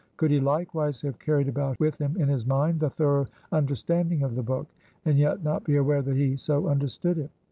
Could he likewise have carried about with him in his mind the thorough understanding of the book, and yet not be aware that he so understood it?